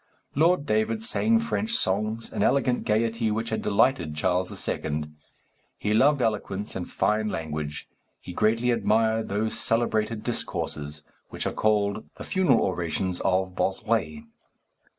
Lord David sang French songs, an elegant gaiety which had delighted Charles II. He loved eloquence and fine language. He greatly admired those celebrated discourses which are called the funeral orations of Bossuet.